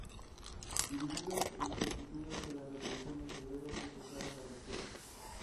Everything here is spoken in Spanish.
Divididos en su actitud hacia la Revolución de Febrero, rechazaban la de Octubre.